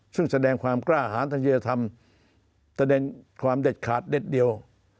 ซึ่งแสดงความกล้าหารทางเยธรรมแสดงความเด็ดขาดเด็ดเดียว